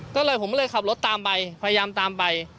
ก็เลยผมก็เลยขับรถตามไปพยายามตามไป